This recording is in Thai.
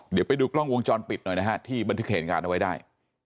เดี๋ยวไปดูกล้องวงจรปิดหน่อยนะฮะที่บันทึกเหตุการณ์เอาไว้ได้